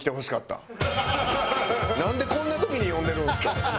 なんでこんな時に呼んでるんですか？